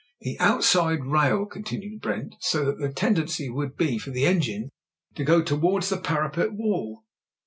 "The outside rail," continued Brent, "so that the tendency would be for the engine to go towards the parapet wall.